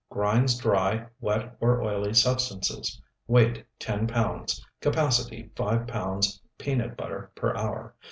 Grinds dry, wet or oily substances. Weight ten pounds, capacity five pounds peanut butter per hour.